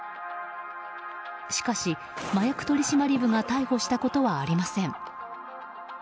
しかし、麻薬取締部が逮捕したことはありません。